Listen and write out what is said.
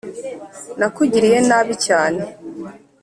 nakugiriye nabi cyane